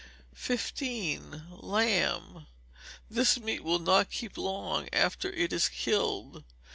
15. Lamb. This meat will not keep long after it is killed.